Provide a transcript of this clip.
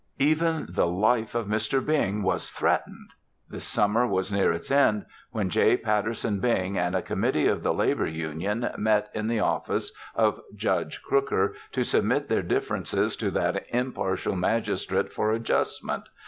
Even the life of Mr. Bing was threatened! The summer was near its end when J. Patterson Bing and a committee of the labor union met in the office of Judge Crooker to submit their differences to that impartial magistrate for adjustment.